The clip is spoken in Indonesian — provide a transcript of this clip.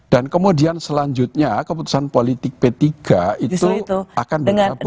dan kemudian selanjutnya keputusan politik p tiga itu akan bergabung dengan pihak lain